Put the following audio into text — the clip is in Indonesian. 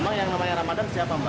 emang yang namanya ramadan siapa mbak